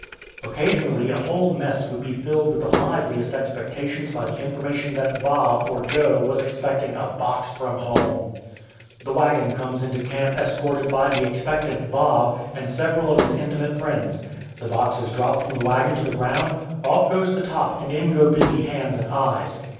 Occasionally a whole mess would be filled with the liveliest expectations by the information that "Bob" or "Joe" was expecting a box from home. The wagon comes into camp escorted by the expectant "Bob" and several of his intimate friends; the box is dropped from the wagon to the ground; off goes the top and in go busy hands and eyes.